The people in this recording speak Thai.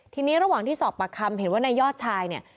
ทีนี้ระหว่างที่สอบปากคำเห็นว่านายยอดชายเนี่ย